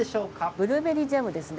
ブルーベリージャムですね。